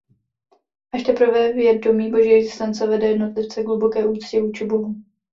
Až teprve vědomí Boží existence vede jednotlivce k hluboké úctě vůči Bohu.